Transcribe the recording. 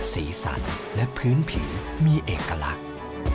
สีสันและพื้นผีมีเอกลักษณ์